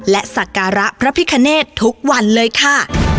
และสักการะพระพิคเนธทุกวันเลยค่ะ